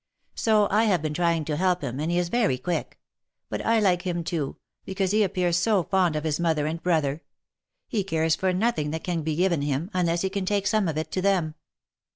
So I have been trying to help him, and he is very quick. But I like him, too, because he appears so fond of his mother and bro ther. He cares for nothing that can be given him, unless he can take some of it to them."